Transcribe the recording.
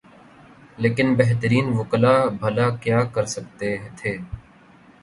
لیکن بہترین وکلا بھلا کیا کر سکتے تھے۔